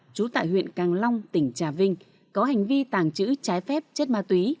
trú tại huyện càng long tỉnh trà vinh có hành vi tàng trữ trái phép chất ma túy